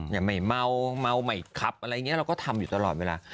อย่างไม่เมาเมาไม่ขับอะไรอย่างนี้เราก็ทำอยู่ตลอดเวลา